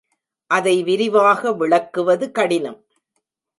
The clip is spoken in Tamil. அதை விரிவாக விளக்குவது கடினம்.